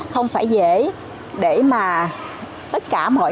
không phải dễ để mà tất cả mọi người